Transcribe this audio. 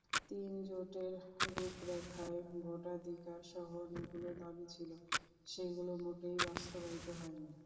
তিন জোটের রূপরেখায় ভোটাধিকারসহ অনেকগুলো দাবি ছিল, সেগুলো মোটেই বাস্তবায়িত হয়নি।